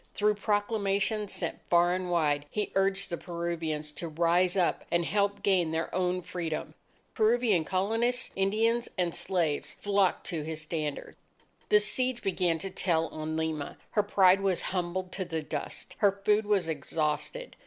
Through proclamations sent far and wide, he urged the Peruvians to rise up and help gain their own Freedom. Peruvian Colonists, Indians, and slaves flocked to his standard. The siege began to tell on Lima. Her pride was humbled to the dust. Her food was exhausted.